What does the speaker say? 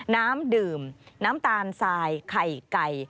น้ำดื่มน้ำตาลทรายไข่ไก่